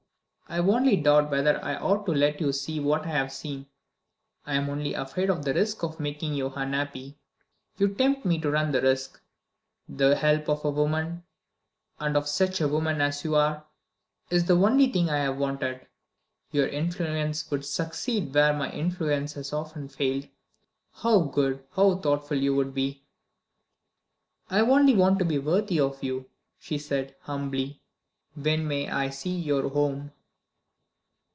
"I only doubt whether I ought to let you see what I have seen; I am only afraid of the risk of making you unhappy. You tempt me to run the risk. The help of a woman and of such a woman as you are is the one thing I have wanted. Your influence would succeed where my influence has often failed. How good, how thoughtful you would be!" "I only want to be worthy of you," she said, humbly. "When may I see your Home?"